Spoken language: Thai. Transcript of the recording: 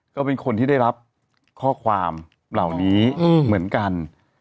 ก็เป็นคนที่ได้รับข้อความเหล่านี้เหมือนกัน